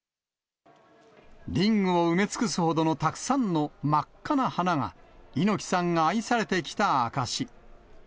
リングを埋め尽くすほどのたくさんの真っ赤な花が、猪木さんが愛されてきた証し。